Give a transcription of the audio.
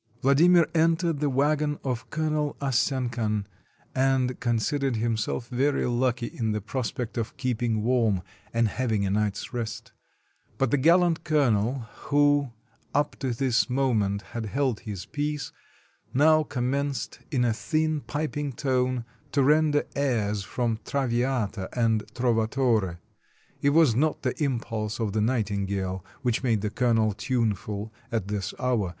Vladimir entered the wagon of Colonel Assenkan, and considered himself very lucky in the prospect of keeping warm and having a night's rest; but the gallant colo nel, who up to this moment had held his peace, now commenced in a thin, piping tone, to render airs from "Traviata" and "Trovatore" — it was not the impulse of the nightingale which made the colonel tuneful at this hour.